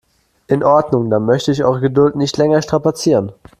In Ordnung, dann möchte ich eure Geduld nicht länger strapazieren.